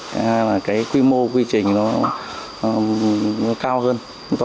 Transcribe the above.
thứ hai là cái quy mô quy trình nó cao hơn